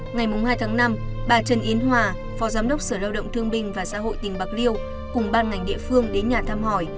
ngày hai tháng năm bà trần yến hòa phó giám đốc sở lao động thương binh và xã hội tỉnh bạc liêu cùng ban ngành địa phương đến nhà thăm hỏi